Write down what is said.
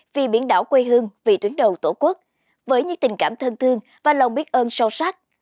vì biển đảo quê hương vì tuyến đầu tổ quốc với những tình cảm thân thương và lòng biết ơn sâu sắc